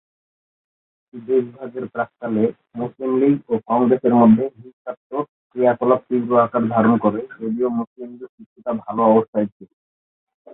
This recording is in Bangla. দেশভাগের প্রাক্কালে, মুসলিম লীগ ও কংগ্রেসের মধ্যে হিংসাত্মক ক্রিয়াকলাপ তীব্র আকার ধারণ করে, যদিও মুসলিম লীগ কিছুটা ভালো অবস্থায় ছিল।